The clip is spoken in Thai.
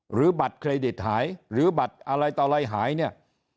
หรือบัตรเครดิตหายหรือบัตรอะไรต่ออะไรหายเนี่ย